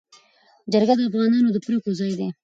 جرګه د افغانانو د پرېکړو ځای دی.